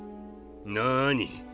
なに。